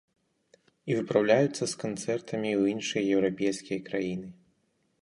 І выпраўляюцца з канцэртамі ў іншыя еўрапейскія краіны.